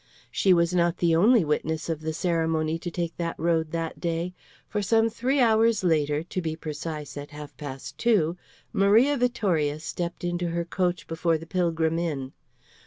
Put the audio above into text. She was not the only witness of the ceremony to take that road that day. For some three hours later, to be precise, at half past two, Maria Vittoria stepped into her coach before the Pilgrim Inn.